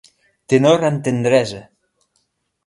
Tenor amb tendresa